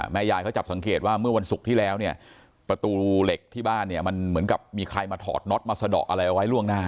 แม่ยายเขาจับสังเกตว่าเมื่อวันศุกร์ที่แล้วเนี่ยประตูเหล็กที่บ้านเนี่ยมันเหมือนกับมีใครมาถอดน็อตมาสะดอกอะไรเอาไว้ล่วงหน้า